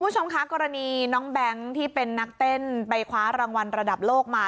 คุณผู้ชมคะกรณีน้องแบงค์ที่เป็นนักเต้นไปคว้ารางวัลระดับโลกมา